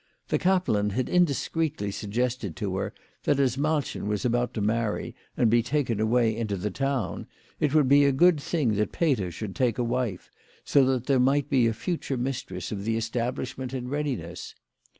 The kaplan had indiscreetly suggested to her that as Mal chen was about to marry and be taken away into the town, it would be a good thing that Peter should take a wife, so that there might be a future mistress of the establishment in readiness.